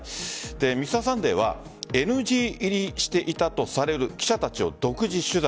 「Ｍｒ．サンデー」はＮＧ入りしていたとされる記者たちを独自取材。